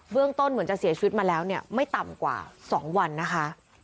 ต้นเหมือนจะเสียชีวิตมาแล้วเนี่ยไม่ต่ำกว่า๒วันนะคะ